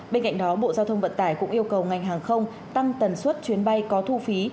bên cạnh đó bộ giao thông vận tải cũng yêu cầu ngành hàng không tăng tần suất chuyến bay có thu phí